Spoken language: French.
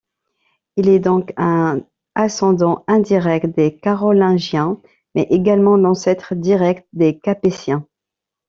Il est donc un ascendant indirect des Carolingiens, mais également l'ancêtre direct des Capétiens.